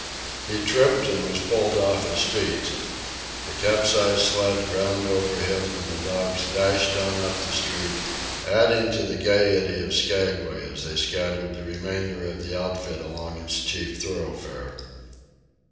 He tripped and was pulled off his feet. The capsized sled ground over him, and the dogs dashed on up the street, adding to the gayety of Skaguay as they scattered the remainder of the outfit along its chief thoroughfare.